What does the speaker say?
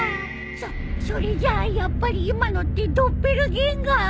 そそれじゃあやっぱり今のってドッペルゲンガー？